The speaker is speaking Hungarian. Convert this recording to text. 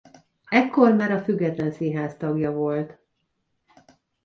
Ekkor már a Független Színház tagja volt.